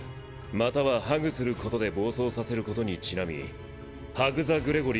またはハグすることで暴走させることにちなみ「ハグ・ザ・グレゴリー」って呼ばれてた。